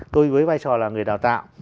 tôi với vai trò là người đào tạo